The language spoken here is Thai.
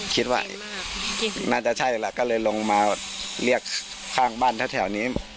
คิดว่าน่าจะใช่แหละก็เลยลงมาเรียกข้างบ้านแถวนี้